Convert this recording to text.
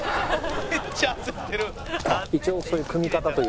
「めっちゃ焦ってる」